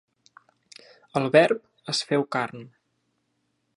El Verb es feu carn.